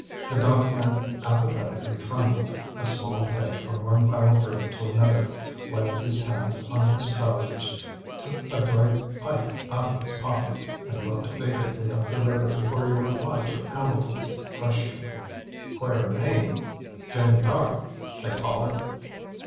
The dock hand apathetically trundled a small keg from one pile of freight to another, wiped his hands on his trousers, took a dry pipe out of his pocket, and looked vacantly up the river before he replied to Hambleton's question. "Queer name Jene Dark they call her."